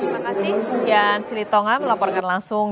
dan kemudian silitongan melaporkan langsung